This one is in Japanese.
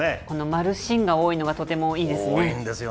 この丸新が多いのがとてもいいですね。